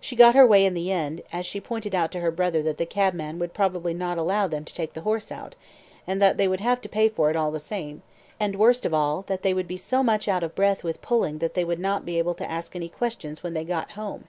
She got her way in the end, as she pointed out to her brother that the cabman would probably not allow them to take the horse out, and that they would have to pay for it all the same, and worst of all, that they would be so much out of breath with pulling that they would not be able to ask any questions when they got home.